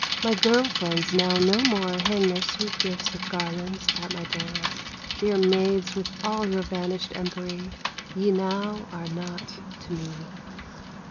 My girl friends now no more Hang their sweet gifts of garlands at my door; Dear maids, with all your vanished empery Ye now are naught to me.